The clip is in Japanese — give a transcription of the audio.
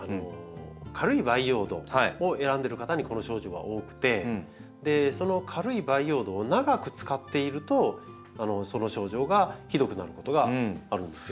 軽い培養土を選んでる方にこの症状は多くてその軽い培養土を長く使っているとその症状がひどくなることがあるんですよ。